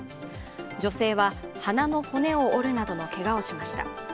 女性は、鼻の骨を折るなどのけがをしました。